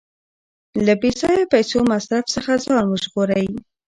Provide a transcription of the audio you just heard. له بې ځایه پیسو مصرف څخه ځان وژغورئ.